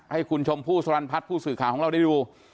ให้คุณชมพู่สรรพัฒน์ผู้สื่อข่าวของเราได้ดู